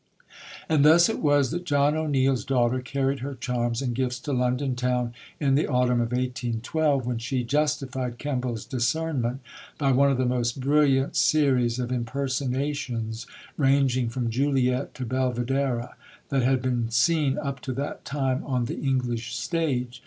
And thus it was that John O'Neill's daughter carried her charms and gifts to London town in the autumn of 1812, when she justified Kemble's discernment by one of the most brilliant series of impersonations, ranging from Juliet to Belvidera, that had been seen up to that time on the English stage.